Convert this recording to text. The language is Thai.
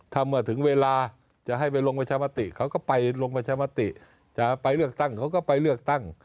ถ้าเมื่อถึงเวลาจะให้ไปลงประชามติเขาก็ไปลงประชามติจะไปเลือกตั้งเขาก็ไปเลือกตั้ง